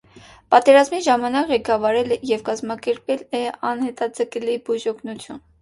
Պատերազմի ժամանակ ղեկավարել և կազմակերպել է անհետաձգելի բուժօգնությունը մարտադաշտում։